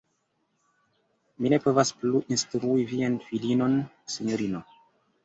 Mi ne povas plu instrui vian filinon, sinjorino.